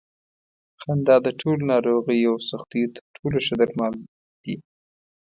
خندا د ټولو ناروغیو او سختیو تر ټولو ښه درمل دي.